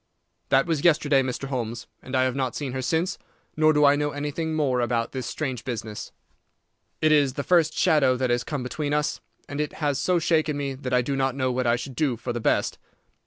That was yesterday, Mr. Holmes, and I have not seen her since, nor do I know anything more about this strange business. It is the first shadow that has come between us, and it has so shaken me that I do not know what I should do for the best.